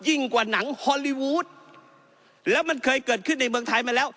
กว่าหนังฮอลลีวูดแล้วมันเคยเกิดขึ้นในเมืองไทยมาแล้ว